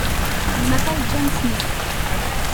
Je m'appelle John Smith.